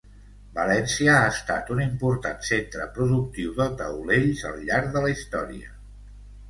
València ha estat un important centre productiu de taulells al llarg de la història.